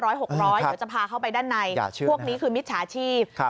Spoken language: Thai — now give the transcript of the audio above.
เดี๋ยวจะพาเข้าไปด้านในพวกนี้คือมิจฉาชีพ